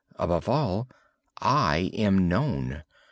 Above all, _I am known.